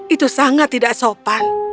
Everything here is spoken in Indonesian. itu sangat tidak sopan